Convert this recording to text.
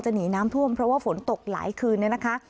หนีน้ำท่วมเพราะว่าฝนตกหลายคืนเนี่ยนะคะ